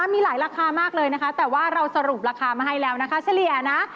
มีหลายราคามากเลยนะคะแต่ว่าเราสรุปราคามาให้แล้วนะคะเฉลี่ยนะ